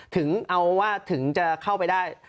ถึงเอาว่าถึงจะเข้าไปได้